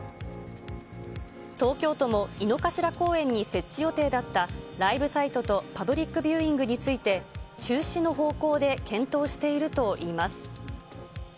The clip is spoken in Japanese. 東京都も井の頭公園に設置予定だったライブサイトとパブリックビューイングについて、中止の方向で検討しているといいます。